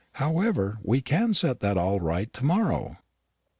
However, we can set that all straight to morrow."